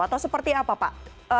atau seperti apa pak